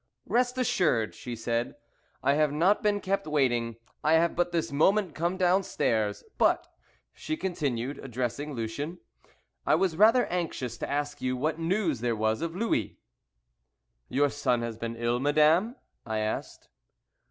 "Rest assured," she said, "I have not been kept waiting; I have but this moment come downstairs. But," she continued, addressing Lucien, "I was rather anxious to ask you what news there was of Louis." "Your son has been ill, madame?" I asked.